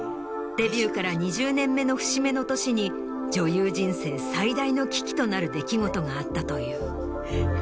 デビューから２０年目の節目の年に女優人生最大の危機となる出来事があったという。